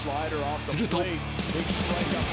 すると。